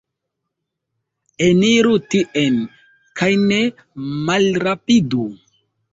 Eniru tien, kaj ne malrapidu.